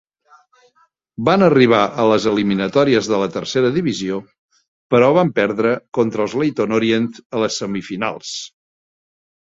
Van arribar a les eliminatòries de la Tercera Divisió però van perdre contra els Leyton Orient a les semifinals.